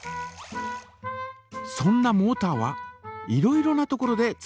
そんなモータはいろいろな所で使われています。